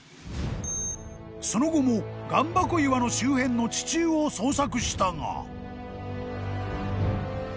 ［その後も岩箱岩の周辺の地中を捜索したが］